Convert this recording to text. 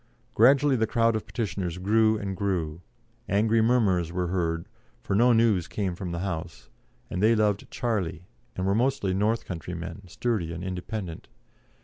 Gradually the crowd of petitioners grew and grew; angry murmurs were heard, for no news came from the House, and they loved "Charlie," and were mostly north country men, sturdy and independent.